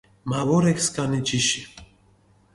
მა ვორექ სკანი ჯიში